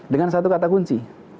dengan satu kata kunci